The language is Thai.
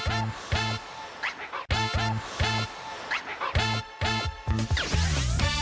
ใช่นั่นเลยผ่านไปนั่นเลย